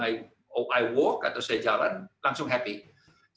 saya berjalan atau saya jalan langsung senang